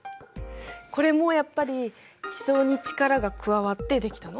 これもやっぱり地層に力が加わってできたの？